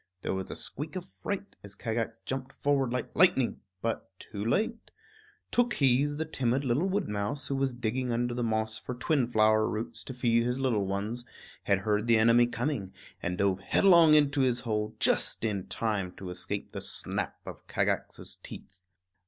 There was a squeak of fright as Kagax jumped forward like lightning but too late. Tookhees, the timid little wood mouse, who was digging under the moss for twin flower roots to feed his little ones, had heard the enemy coming, and dove headlong into his hole, just in time to escape the snap of Kagax's teeth.